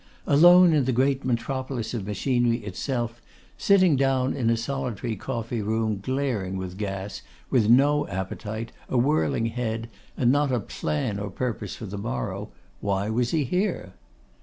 Alone in the great metropolis of machinery itself, sitting down in a solitary coffee room glaring with gas, with no appetite, a whirling head, and not a plan or purpose for the morrow, why was he there?